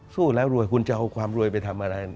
สู้แล้วรวยคุณจะเอาความรวยไปทำอะไร